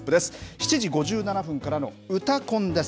７時５７分からのうたコンです。